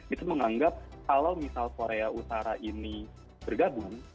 itu menganggap kalau misal korea utara ini bergabung